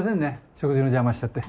食事の邪魔しちゃって。